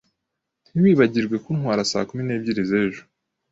Ntiwibagirwe kuntwara saa kumi n'ebyiri z'ejo.